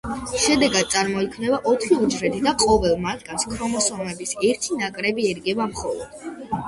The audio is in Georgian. შედეგად წარმოიქმნება ოთხი უჯრედი და ყოველ მათგანს ქრომოსომების ერთი ნაკრები ერგება მხოლოდ.